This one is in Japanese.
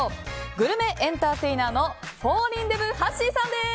グルメエンターテイナーのフォーリンデブはっしーさんです。